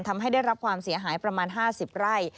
ทำให้ได้รับความเสียหายประมาณ๕๐ไร่